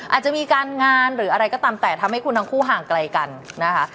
อาจจะมีการงานหรืออะไรก็ตามแต่ทำให้คุณทั้งคู่ห่างไกลกันนะคะ